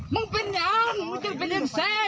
มึงเป็นยังมึงเป็นยังเศรษฐ์